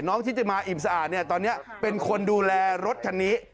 ทิติมาอิ่มสะอาดเนี่ยตอนนี้เป็นคนดูแลรถคันนี้